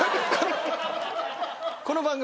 この番組。